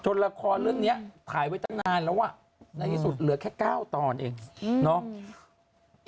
ละครเรื่องนี้ถ่ายไว้ตั้งนานแล้วอ่ะในที่สุดเหลือแค่๙ตอนเองเนาะ